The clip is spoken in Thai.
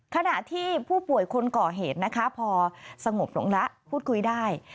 ขณะที่ผู้ป่วยคนก่อเหตุนะคะพอสงบลงแล้วพูดคุยได้